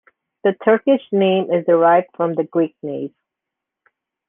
The Turkish name is derived from the Greek name.